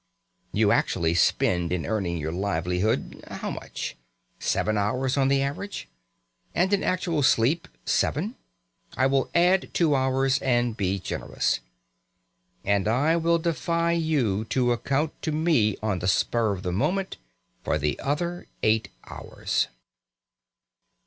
You actually spend in earning your livelihood how much? Seven hours, on the average? And in actual sleep, seven? I will add two hours, and be generous. And I will defy you to account to me on the spur of the moment for the other eight hours.